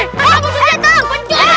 eh tolong pencuri